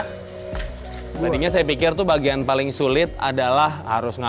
sebenarnya saya pikir bagian paling sulit adalah harus mengaduk